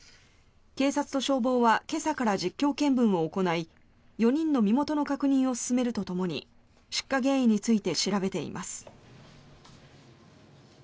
警察と消防は今朝から実況見分を行い４人の身元の確認を進めるとともに出火原因について調べています。